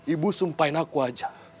ibu sumpahin aku aja